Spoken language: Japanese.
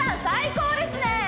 最高ですね